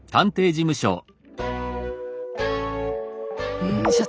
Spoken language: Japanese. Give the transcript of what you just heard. うん所長